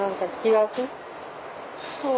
そう？